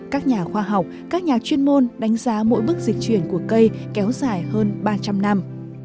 các nhà khoa học các nhà chuyên môn đánh giá mỗi bước dịch chuyển của cây kéo dài hơn ba trăm linh năm